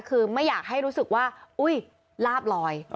คือไม่อยากให้รู้สึกว่าอุ๊ยลาบลอย